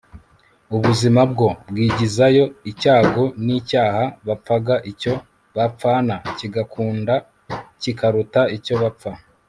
ubuzima, bwo bwigizayo icyago n'icyaha bapfaga. icyo bapfana kigakunda kikaruta icyo bapfa